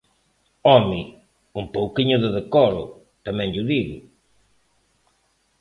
Home, un pouquiño de decoro, tamén llo digo.